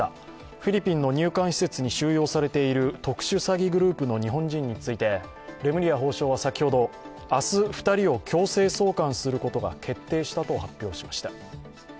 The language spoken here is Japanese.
フィリピンの入管施設に収容されている特殊詐欺グループの日本人についてレムリヤ法相は先ほど、明日２人を強制送還することが決定したと発表しました。